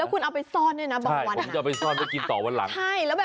แล้วคุณเอาไปซ่อนด้วยนะบางวันนะ